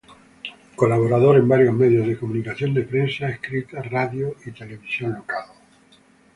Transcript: Colaborador en varios medios de comunicación de prensa escrita, radio y televisión local.